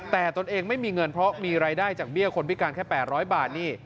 แต่ตนเองไม่มีเงินเพราะมีรายได้จากเบี้ยคนพิการแค่๘๐๐บาทนี่